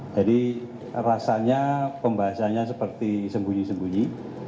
jadi rasanya pembahasannya seperti sembunyi sembunyi